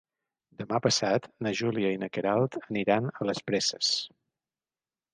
Demà passat na Júlia i na Queralt aniran a les Preses.